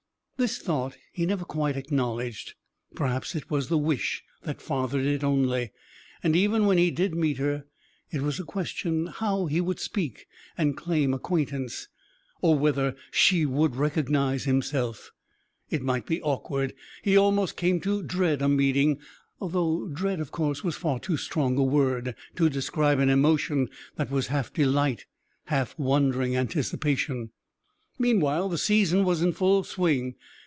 This thought he never quite acknowledged. Perhaps it was the wish that fathered it only. And, even when he did meet her, it was a question how he would speak and claim acquaintance, or whether she would recognise himself. It might be awkward. He almost came to dread a meeting, though "dread," of course, was far too strong a word to describe an emotion that was half delight, half wondering anticipation. Meanwhile the season was in full swing.